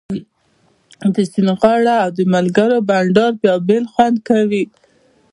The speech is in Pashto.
د سیند غاړه او د ملګرو بنډار بیا بل خوند کوي